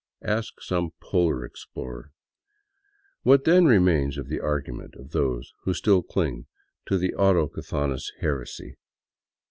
Ask some polar explorer. What then remains of the argument of those who still cling to the authoctonomous heresy?